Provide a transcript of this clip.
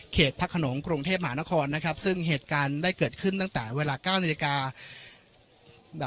เขตพระขนมกรงเทพหมานครนะครับซึ่งเหตุการณ์ได้เกิดขึ้นตั้งแต่เวลาเก้านิดนาคอ